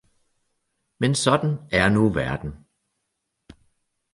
Men sådan er nu verden